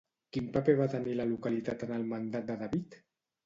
Quin paper va tenir la localitat en el mandat de David?